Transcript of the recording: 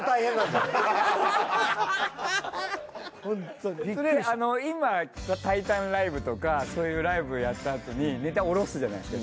それ今タイタンライブとかそういうライブやったあとにネタ下ろすじゃないですか